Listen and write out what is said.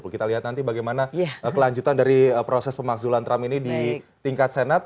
kita lihat nanti bagaimana kelanjutan dari proses pemakzulan trump ini di tingkat senat